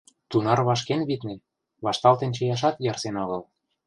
Тунар вашкен, витне, вашталтен чияшат ярсен огыл.